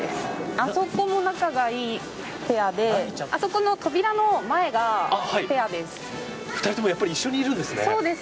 あそこも仲がいいペアであそこの扉の前がペアです。